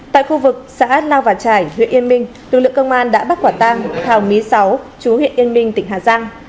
tại khu vực xã lao vạn trải huyện yên minh tư lượng công an đã bắt quả tang thảo mí sáu chú huyện yên minh tỉnh hà giang